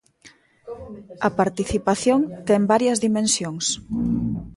A participación ten varias dimensións.